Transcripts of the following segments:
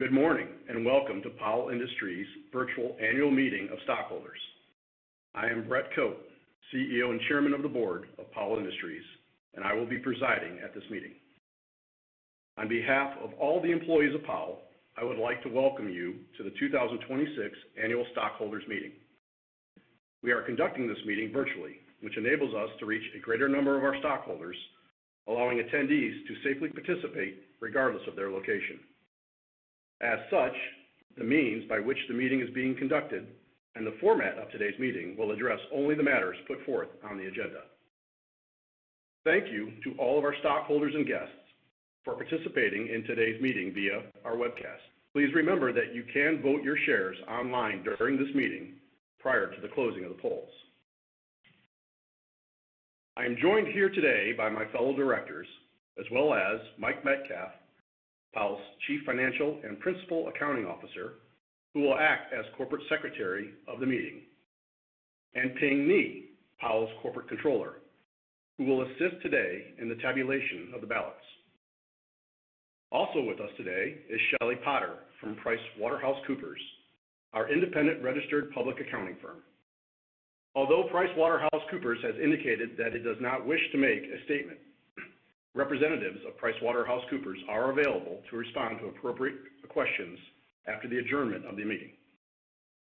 Good morning, and welcome to Powell Industries Virtual Annual Meeting of Stockholders. I am Brett Cope, CEO and Chairman of the Board of Powell Industries, and I will be presiding at this meeting. On behalf of all the employees of Powell, I would like to welcome you to the 2026 Annual Stockholders Meeting. We are conducting this meeting virtually, which enables us to reach a greater number of our stockholders, allowing attendees to safely participate regardless of their location. As such, the means by which the meeting is being conducted and the format of today's meeting will address only the matters put forth on the agenda. Thank you to all of our stockholders and guests for participating in today's meeting via our webcast. Please remember that you can vote your shares online during this meeting prior to the closing of the polls. I am joined here today by my fellow directors, as well as Mike Metcalf, Powell's Chief Financial and Principal Accounting Officer, who will act as Corporate Secretary of the meeting, and Ping Ni, Powell's Corporate Controller, who will assist today in the tabulation of the ballots. Also with us today is Shelley Potter from PricewaterhouseCoopers, our independent registered public accounting firm. Although PricewaterhouseCoopers has indicated that it does not wish to make a statement, representatives of PricewaterhouseCoopers are available to respond to appropriate questions after the adjournment of the meeting.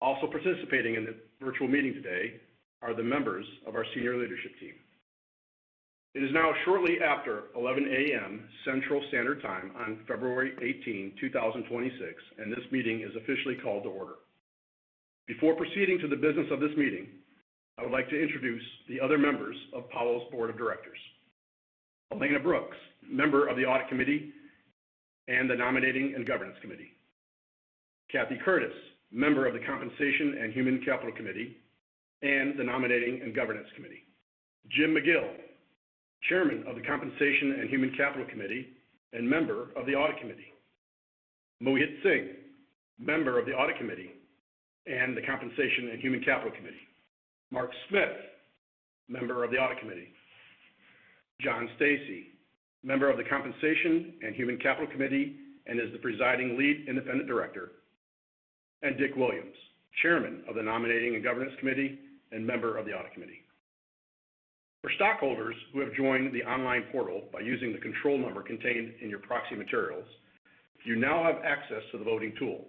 Also participating in the virtual meeting today are the members of our senior leadership team. It is now shortly after 11 A.M. Central Standard Time on February 18, 2026, and this meeting is officially called to order. Before proceeding to the business of this meeting, I would like to introduce the other members of Powell's Board of Directors, Alaina Brooks, member of the Audit Committee and the Nominating and Governance Committee; Kathy Curtis, member of the Compensation and Human Capital Committee and the Nominating and Governance Committee; Jim McGill, Chairman of the Compensation and Human Capital Committee and member of the Audit Committee; Mohit Singh, member of the Audit Committee and the Compensation and Human Capital Committee; Mark Smith, member of the Audit Committee; John Stacey, member of the Compensation and Human Capital Committee and is the presiding Lead Independent Director. And Dick Williams, Chairman of the Nominating and Governance Committee and member of the Audit Committee. For stockholders who have joined the online portal by using the control number contained in your proxy materials, you now have access to the voting tool.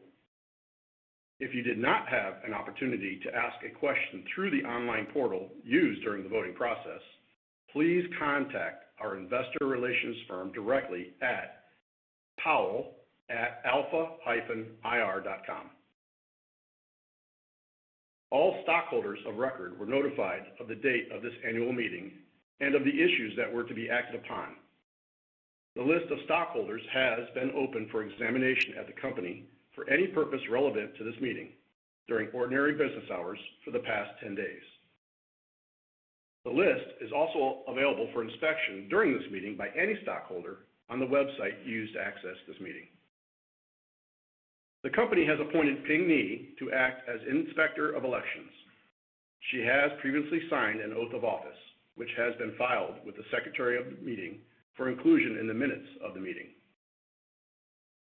If you did not have an opportunity to ask a question through the online portal used during the voting process, please contact our investor relations firm directly at powell@alpha-ir.com. All stockholders of record were notified of the date of this annual meeting and of the issues that were to be acted upon. The list of stockholders has been open for examination at the company for any purpose relevant to this meeting during ordinary business hours for the past 10 days. The list is also available for inspection during this meeting by any stockholder on the website used to access this meeting. The company has appointed Ping Ni to act as Inspector of Elections. She has previously signed an oath of office, which has been filed with the Secretary of the meeting for inclusion in the minutes of the meeting.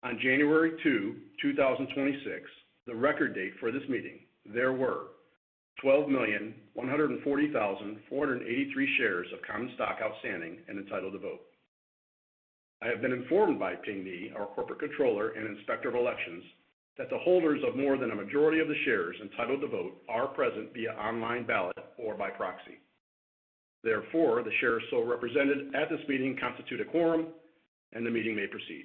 On January 2, 2026, the record date for this meeting, there were 12,140,483 shares of common stock outstanding and entitled to vote. I have been informed by Ping Ni, our Corporate Controller and Inspector of Elections, that the holders of more than a majority of the shares entitled to vote are present via online ballot or by proxy. Therefore, the shares so represented at this meeting constitute a quorum, and the meeting may proceed.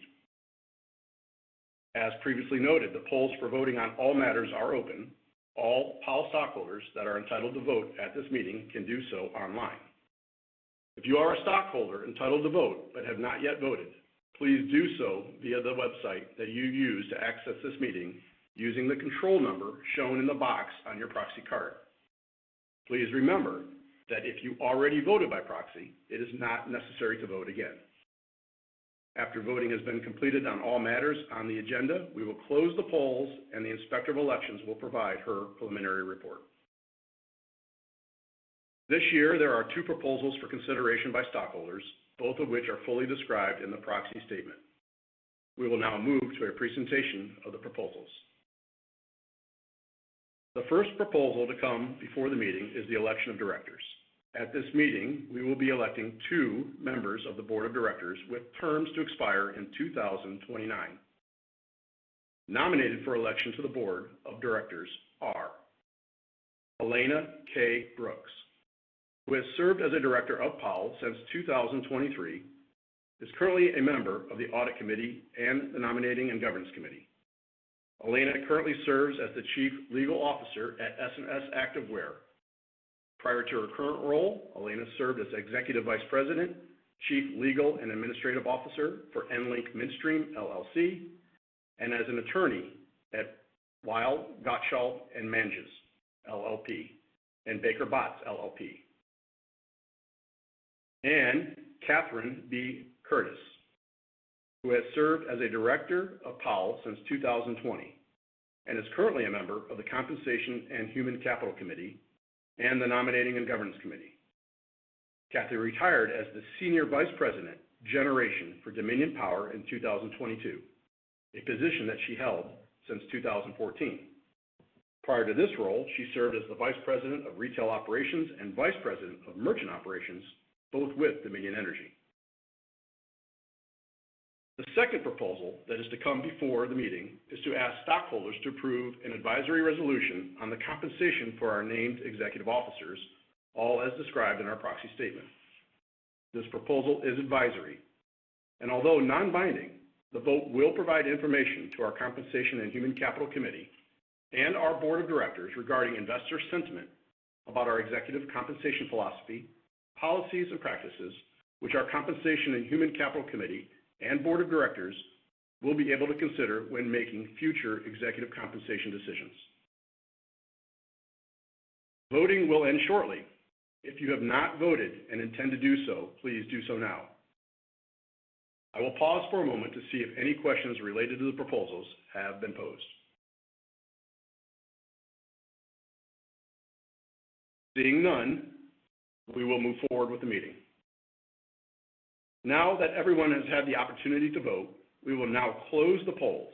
As previously noted, the polls for voting on all matters are open. All Powell stockholders that are entitled to vote at this meeting can do so online. If you are a stockholder entitled to vote but have not yet voted, please do so via the website that you used to access this meeting using the control number shown in the box on your proxy card. Please remember that if you already voted by proxy, it is not necessary to vote again. After voting has been completed on all matters on the agenda, we will close the polls and the Inspector of Elections will provide her preliminary report. This year, there are two proposals for consideration by stockholders, both of which are fully described in the Proxy statement. We will now move to a presentation of the proposals. The first proposal to come before the meeting is the election of directors. At this meeting, we will be electing two members of the Board of Directors with terms to expire in 2029. Nominated for election to the Board of Directors are Alaina K. Brooks, who has served as a director of Powell since 2023, is currently a member of the Audit Committee and the Nominating and Governance Committee. Alaina currently serves as the Chief Legal Officer at S&S Activewear. Prior to her current role, Alaina served as Executive Vice President, Chief Legal and Administrative Officer for EnLink Midstream, LLC, and as an attorney at Weil, Gotshal & Manges LLP and Baker Botts LLP. Katherine B. Curtis, who has served as a Director of Powell since 2020, and is currently a member of the Compensation and Human Capital Committee and the Nominating and Governance Committee. Kathy retired as the Senior Vice President, Generation for Dominion Power in 2022, a position that she held since 2014. Prior to this role, she served as the Vice President of Retail Operations and Vice President of Merchant Operations, both with Dominion Energy. The second proposal that is to come before the meeting is to ask stockholders to approve an advisory resolution on the compensation for our named executive officers, all as described in our Proxy Statement. This proposal is advisory, and although non-binding, the vote will provide information to our Compensation and Human Capital Committee and our Board of Directors regarding investor sentiment about our executive compensation philosophy, policies, and practices, which our Compensation and Human Capital Committee and Board of Directors will be able to consider when making future executive compensation decisions. Voting will end shortly. If you have not voted and intend to do so, please do so now. I will pause for a moment to see if any questions related to the proposals have been posed. Seeing none, we will move forward with the meeting. Now that everyone has had the opportunity to vote, we will now close the polls.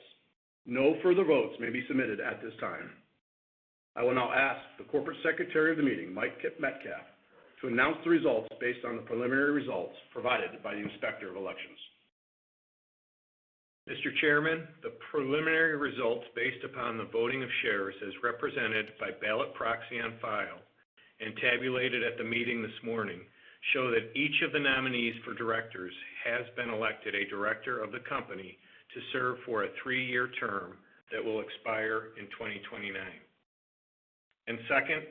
No further votes may be submitted at this time. I will now ask the Corporate Secretary of the meeting, Mike Metcalf, to announce the results based on the preliminary results provided by the Inspector of Elections. Mr. Chairman, the preliminary results based upon the voting of shares as represented by ballot proxy on file and tabulated at the meeting this morning, show that each of the nominees for directors has been elected a director of the company to serve for a three-year term that will expire in 2029. And second,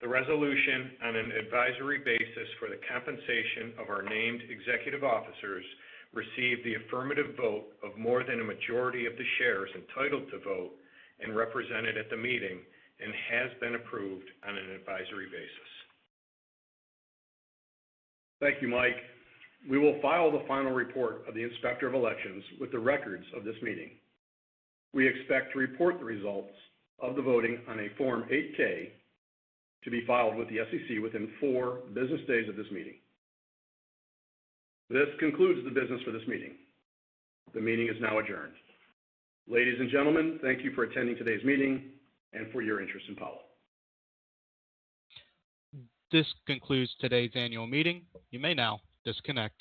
the resolution on an advisory basis for the compensation of our named executive officers received the affirmative vote of more than a majority of the shares entitled to vote and represented at the meeting, and has been approved on an advisory basis. Thank you, Mike. We will file the final report of the Inspector of Elections with the records of this meeting. We expect to report the results of the voting on a Form 8-K, to be filed with the SEC within four business days of this meeting. This concludes the business for this meeting. The meeting is now adjourned. Ladies and gentlemen, thank you for attending today's meeting and for your interest in Powell. This concludes today's annual meeting. You may now disconnect.